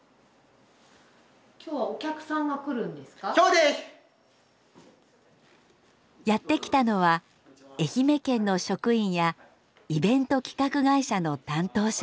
まあやって来たのは愛媛県の職員やイベント企画会社の担当者。